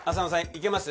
いけます。